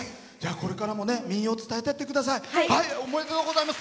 これからも民謡伝えていってください。